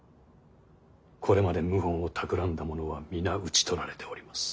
これまで謀反をたくらんだ者は皆討ち取られております。